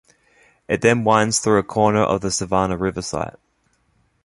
It then winds through a corner of the Savannah River Site.